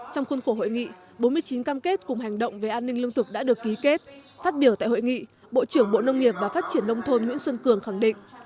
trong khuôn khổ hội nghị bốn mươi chín cam kết cùng hành động về an ninh lương thực đã được ký kết phát biểu tại hội nghị bộ trưởng bộ nông nghiệp và phát triển nông thôn nguyễn xuân cường khẳng định